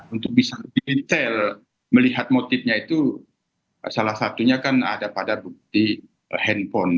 untuk bisa lebih detail melihat motifnya itu salah satunya kan ada pada bukti handphone